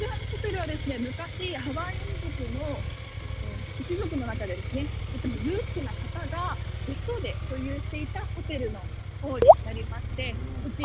昔、ハワイ王族の一族の中でとても裕福な方が別荘で所有していたホテルになります。